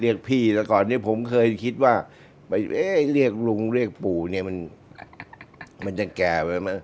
เรียกพี่แล้วก่อนเนี่ยผมเคยคิดว่าไปเอ๊ะเรียกลุงเรียกปู่เนี่ยมันจะแก่ไปมั้